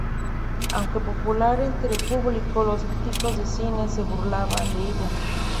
Aunque popular entre el público, los críticos de cine se burlaban de ella.